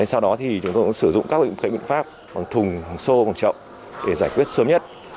sau đó thì chúng tôi cũng sử dụng các biện pháp bằng thùng xô bằng trậu để giải quyết sớm nhất